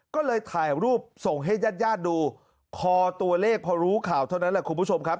ก็เลยถ่ายรูปส่งให้ญาติญาติดูคอตัวเลขพอรู้ข่าวเท่านั้นแหละคุณผู้ชมครับ